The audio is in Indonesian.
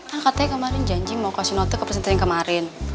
kan katanya kemarin janji mau kasih note ke pesantren kemarin